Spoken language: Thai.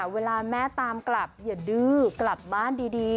เวลาแม่ตามกลับอย่าดื้อกลับบ้านดี